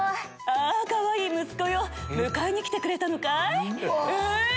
「あかわいい息子よ迎えに来てくれたのかい？え⁉」。